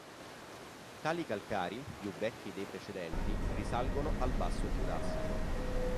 Tali calcari, più vecchi dei precedenti, risalgono al basso Giurassico.